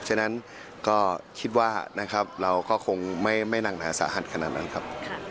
ฉะนั้นก็คิดว่านะครับเราก็คงไม่หนักหนาสาหัสขนาดนั้นครับ